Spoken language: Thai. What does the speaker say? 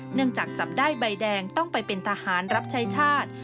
เนื่องจากจับได้ใบแดงต้องไปเป็นทหารรับใช้ชาติ